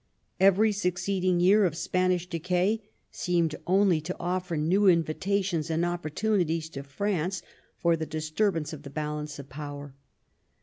Every succeeding year of Span ish decay seemed only to offer new invitations and opportunities to France for the disturbance of the balance of power.